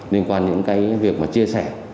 liên quan đến những việc chia sẻ